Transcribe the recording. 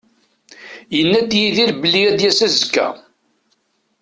Yenna-d Yidir belli ad d-yas azekka.